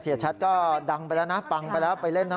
เสียชัดก็ดังไปแล้วนะปังไปแล้ว